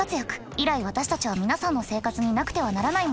以来私たちは皆さんの生活になくてはならないものでした。